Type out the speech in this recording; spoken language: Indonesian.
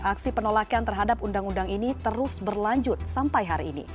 aksi penolakan terhadap undang undang ini terus berlanjut sampai hari ini